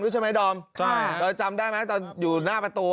ใช่ไหมดอมใช่เราจำได้ไหมตอนอยู่หน้าประตู